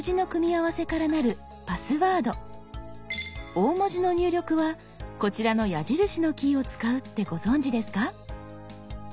大文字の入力はこちらの矢印のキーを使うってご存じですか？